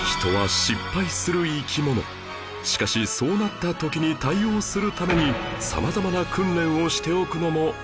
しかしそうなった時に対応するために様々な訓練をしておくのも大事ですよね